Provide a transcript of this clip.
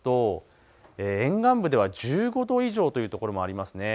各地の最低気温、見てみますと沿岸部では１５度以上という所もありますね。